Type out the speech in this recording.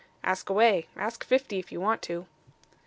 "Ask away. Ask fifty if you want to."